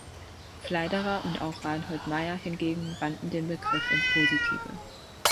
Pfleiderer und auch Reinhold Maier hingegen wandten den Begriff ins Positive.